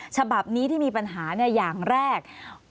ฉบับนี้ที่มีปัญหาอย่างแรก